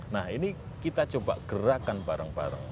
nah ini kita coba gerakan bareng bareng